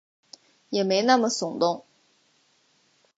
也没那么耸动